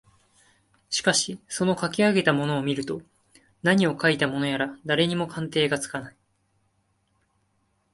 しかしそのかき上げたものを見ると何をかいたものやら誰にも鑑定がつかない